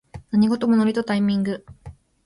何事もノリとタイミング